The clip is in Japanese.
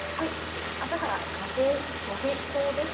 朝から花粉、飛びそうです。